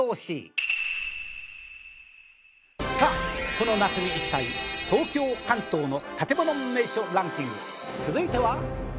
さあこの夏に行きたい東京・関東の建もの名所ランキング続いては。